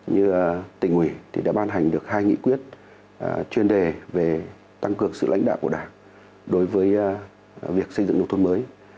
như tỉnh ủy thì đã ban hành được hai nghị quyết chuyên đề về tăng cường sự lãnh đạo của đảng đối với việc xây dựng nông thôn mới